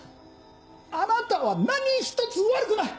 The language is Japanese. あなたは何ひとつ悪くない！